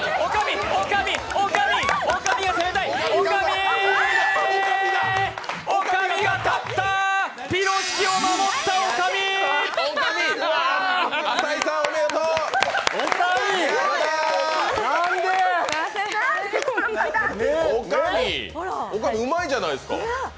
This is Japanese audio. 女将、うまいじゃないですか。